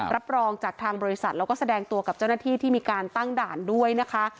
รับรองจากทางบริษัทแล้วก็แสดงตัวกับเจ้าหน้าที่ที่มีการตั้งด่านด้วยนะคะ